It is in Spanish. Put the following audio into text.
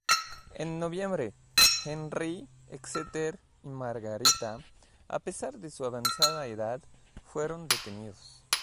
En noviembre, Henry, Exeter y Margarita, a pesar de su avanzada edad, fueron detenidos.